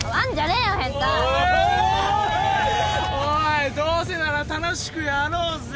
おいどうせなら楽しくやろうぜ！